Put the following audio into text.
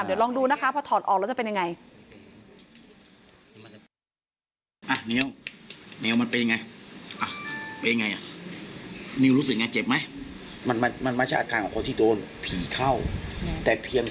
เดี๋ยวลองดูนะคะพอถอดออกแล้วจะเป็นยังไง